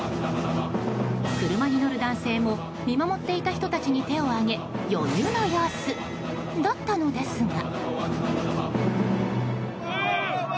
車に乗る男性も見守っていた人たちに手を上げ余裕の様子だったのですが。